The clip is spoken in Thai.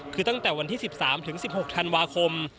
คือตั้งแต่วันที่๑๓๑๖ธันวาคม